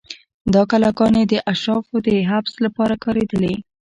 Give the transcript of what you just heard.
دا کلاګانې د اشرافو د حبس لپاره کارېدلې.